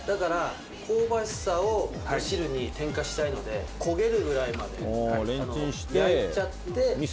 香ばしさを汁に展開したいので焦げるぐらいまで焼いちゃって。